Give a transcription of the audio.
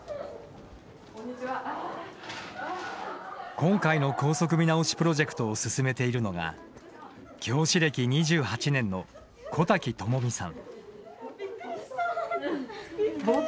今回の校則見直しプロジェクトを進めているのが教師歴２８年の小瀧智美さん。